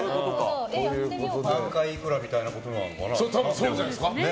何回でいくらみたいなことなのかな。